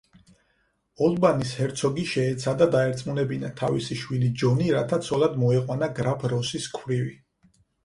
ოლბანის ჰერცოგი შეეცადა დაერწმუნებინა თავისი შვილი ჯონი, რათა ცოლად მოეყვანა გრაფ როსის ქვრივი.